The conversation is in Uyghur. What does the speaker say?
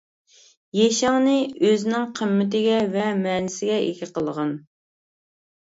يېشىڭنى ئۆزىنىڭ قىممىتىگە ۋە مەنىسىگە ئىگە قىلغىن.